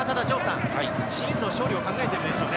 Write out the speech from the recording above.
チームの勝利を考えているでしょうね。